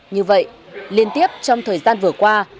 như vậy liên tiếp trong thời gian vừa qua